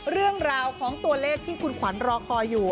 เรื่องราวของตัวเลขที่คุณขวัญรอคอยอยู่